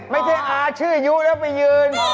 ไม่ใช่อาชื่อยุแล้วไปยืน